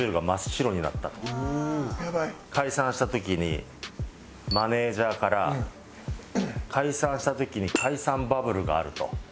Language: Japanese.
解散した時にマネージャーから解散した時に解散バブルがあると。